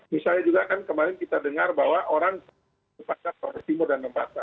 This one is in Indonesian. misalnya juga kan kemarin kita dengar bahwa orang di pasar pertimur dan lembata